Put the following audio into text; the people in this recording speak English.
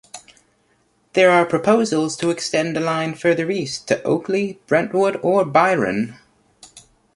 There are proposals to extend the line further east to Oakley, Brentwood, or Byron.